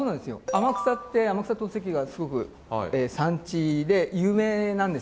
天草って天草陶石がすごく産地で有名なんですよね。